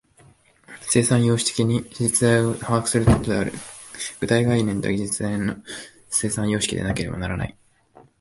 生産様式的に実在を把握することである。具体概念とは、実在の生産様式でなければならない。